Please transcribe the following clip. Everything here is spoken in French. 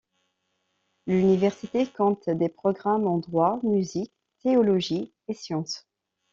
L'université compte des programmes en droit, musique, théologie et sciences.